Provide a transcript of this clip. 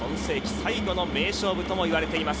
最後の名勝負ともいわれています。